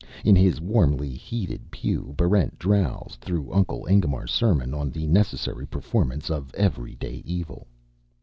In his warmly heated pew, Barrent drowsed through Uncle Ingemar's sermon on the necessary performance of everyday evil.